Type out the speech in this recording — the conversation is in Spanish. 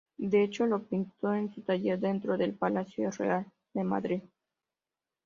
De hecho, lo pinto en su taller dentro del Palacio Real de Madrid.